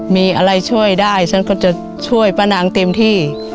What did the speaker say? มีอะไรช่วยได้ฉันก็จะช่วยป้านางเต็มที่